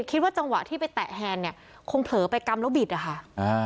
คิดว่าจังหวะที่ไปแตะแฮนเนี่ยคงเผลอไปกำแล้วบิดอะค่ะอ่า